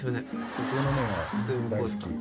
普通の目が大好き。